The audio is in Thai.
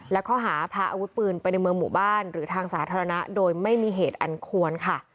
และข้อหาพาอาวุธปืนไปในเมืองหมู่บ้านหรือทางสาธารณะโดยไม่มีเหตุอันควรค่ะ